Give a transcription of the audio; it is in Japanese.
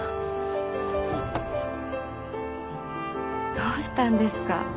どうしたんですか？